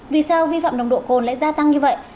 vì sao vi phạm nồng độ cồn lại gia tăng như vậy